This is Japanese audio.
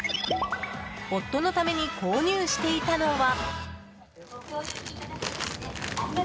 夫のために購入していたのは。